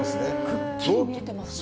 くっきり見えてますね。